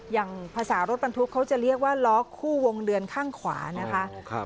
อย่างภาษารถบรรทุกเขาจะเรียกว่าล้อคู่วงเดือนข้างขวานะคะ